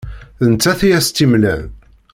D nettat i as-tt-imlan.